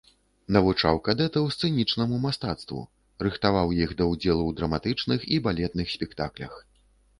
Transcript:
Навучаў кадэтаў сцэнічнаму мастацтву, рыхтаваў іх да удзелу ў драматычных і балетных спектаклях.